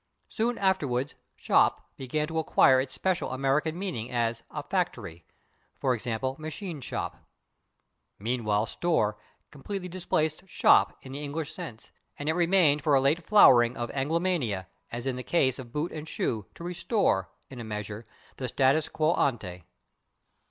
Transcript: Soon afterward /shop/ began to acquire its special American meaning as a factory, /e. g./, /machine shop/. Meanwhile /store/ completely displaced /shop/ in the English sense, and it remained for a late flowering of Anglomania, as in the case of /boot/ and /shoe/, to restore, in a measure, the /status quo ante